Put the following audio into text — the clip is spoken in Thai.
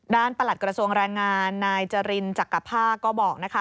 ด้านประหลัดกรสวงรายงานนายจรินจักรภาพก็บอกนะคะ